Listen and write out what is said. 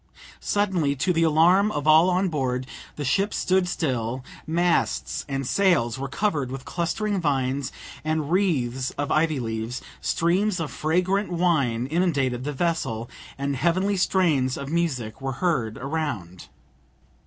Suddenly, to the alarm of all on board, the ship stood still, masts and sails were covered with clustering vines and wreaths of ivy leaves, streams of fragrant wine inundated the vessel, and heavenly strains of music were heard around.